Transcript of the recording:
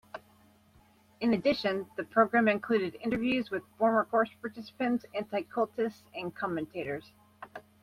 In addition, the program included interviews with former course participants, anti-cultists, and commentators.